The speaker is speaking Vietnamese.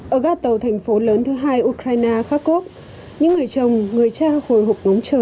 ở gác tàu thành phố lớn thứ hai ukraine kharkov những người chồng người cha hồi hộp ngóng chờ